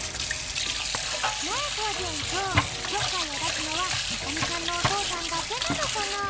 ねえコージえんちょうちょっかいをだすのはいさみちゃんのおとうさんだけなのかな？